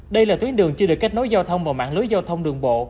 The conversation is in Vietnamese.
đây là tuyến đường chưa được kết nối giao thông vào mạng lưới giao thông đường bộ